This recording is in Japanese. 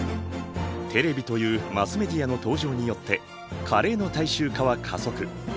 テレビというマスメディアの登場によってカレーの大衆化は加速。